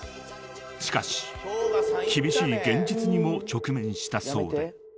［しかし厳しい現実にも直面したそうで］